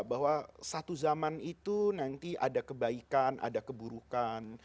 bahwa satu zaman itu nanti ada kebaikan ada keburukan